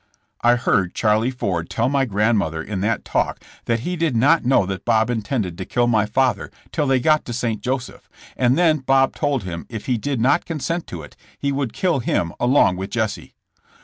'' I heard Charlie Ford tell my grandmother in that talk that he did not know that Bob intended to kill my father till they got to St. Joseph, and then Bob told him if he did not consent to it, he would kill him along with Jesse.